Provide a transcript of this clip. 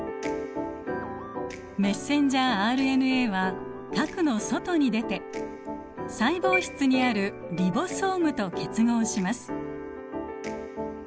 メッセンジャーＲＮＡは核の外に出て細胞質にあるリボソームと結合します。